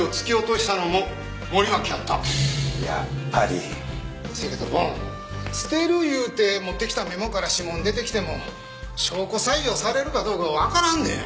せやけどボン捨てる言うて持ってきたメモから指紋出てきても証拠採用されるかどうかわからんで。